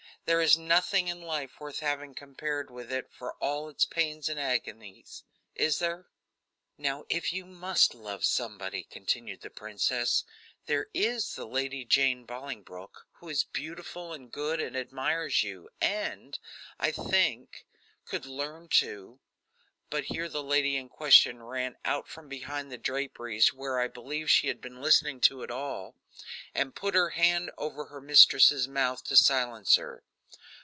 There is nothing in life worth having compared with it for all its pains and agonies. Is there? "Now if you must love somebody," continued the princess, "there is Lady Jane Bolingbroke, who is beautiful and good, and admires you, and, I think, could learn to " but here the lady in question ran out from behind the draperies, where, I believe, she had been listening to it all, and put her hand over her mistress' mouth to silence her.